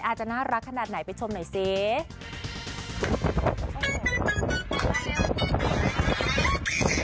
อาจจะน่ารักขนาดไหนไปชมหน่อยสิ